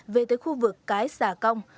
về tới khu vực cái xà công